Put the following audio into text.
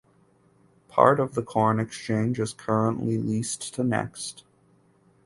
Part of the Corn Exchange is currently leased to Next.